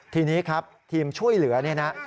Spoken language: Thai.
ทีนี้ครับทีมช่วยเหลือ